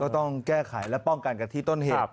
ต้องแก้ไขและป้องกันกันที่ต้นเหตุ